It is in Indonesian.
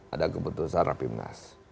ada keputusan rapimnas